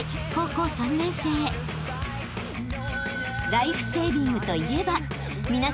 ［ライフセービングといえば皆さん